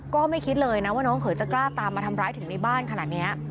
ก็ไม่คิดเลยนะว่าน้องเขยจะกล้าตามมาทำร้ายถึงในบ้านขนาดนี้